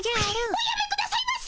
おやめくださいませ！